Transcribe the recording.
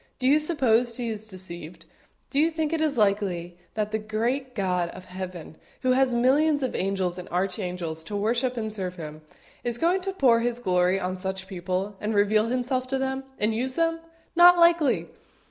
Do you suppose He is deceived? Do you think it likely that the great God of Heaven, who has millions of angels and archangels to worship and serve Him, is going to pour His glory on such people, and reveal Himself to them, and use them? Not likely!